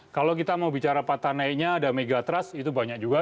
kalau kita mau bicara patah naiknya ada megatrust itu banyak juga